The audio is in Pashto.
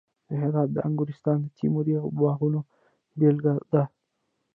د هرات د انګورستان د تیموري باغونو بېلګه ده